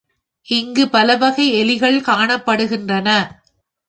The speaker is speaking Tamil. இங்குப் பலவகை எலிகள் காணப்படுகின்றன.